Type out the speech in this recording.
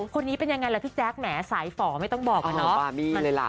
คนนี้เป็นยังไงล่ะพี่แจ๊คแหมสายฝ่อไม่ต้องบอกอะเนาะ